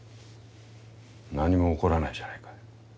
何も起こらないじゃないか。